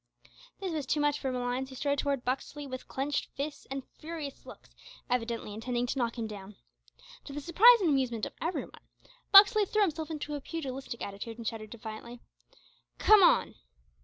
This was too much for Malines, who strode towards Buxley with clenched fists and furious looks, evidently intending to knock him down. To the surprise and amusement of every one, Buxley threw himself into a pugilistic attitude, and shouted defiantly, "Come on!"